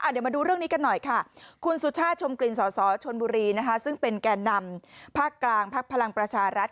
เดี๋ยวมาดูเรื่องนี้กันหน่อยค่ะคุณสุชาติชมกลิ่นสสชนบุรีซึ่งเป็นแก่นำภาคกลางพักพลังประชารัฐ